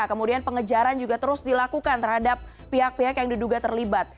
kemudian pengejaran juga terus dilakukan terhadap pihak pihak yang diduga terlibat